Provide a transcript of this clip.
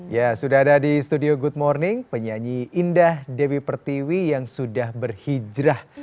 ya sudah ada di studio good morning penyanyi indah dewi pertiwi yang sudah berhijrah